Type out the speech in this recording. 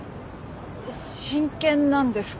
真剣なんですか？